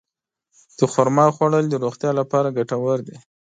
د خرما خوړل د روغتیا لپاره ګټور دي.